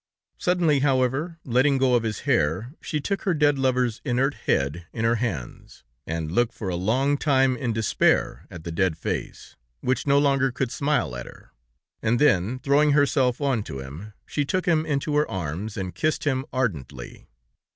"Suddenly, however, letting go of his hair, she took her dead lover's inert head in her hands, and looked for a long time in despair at the dead face, which no longer could smile at her, and then, throwing herself onto him, she took him into her arms and kissed him ardently.